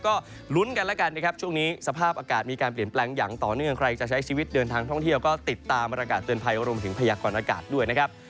ก็ลุ้นกันแล้วกันนะครับช่วงนี้สภาพอากาศมีการเปลี่ยนแปลงอย่างต่อเนื่องใครจะใช้ชีวิตเดินทางท่องเที่ยวก็ติดตามประกาศเตือนภัยรวมถึงพยากรณากาศด้วยนะครับ